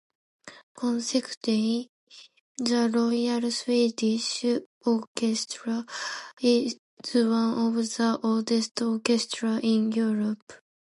Consequently, the Royal Swedish Orchestra is one of the oldest orchestras in Europe.